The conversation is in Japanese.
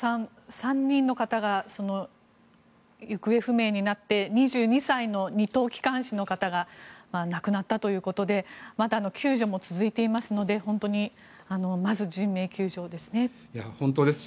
３人の方が行方不明になって２２歳の２等機関士の方が亡くなったということでまだ救助も続いていますので本当に、まずは人命救助ですね。